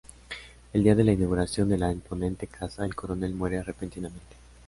El día de la inauguración de la imponente casa el coronel muere repentinamente.